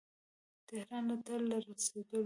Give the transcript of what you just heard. تهران ته له رسېدلو.